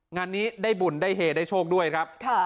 งานนี้ได้บุญได้เฮได้โชคด้วยครับ